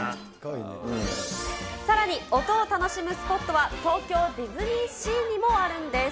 さらに、音を楽しむスポットは東京ディズニーシーにもあるんです。